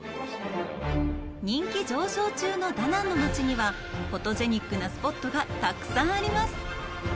人気上昇中のダナンの街には、フォトジェニックなスポットがたくさんあります。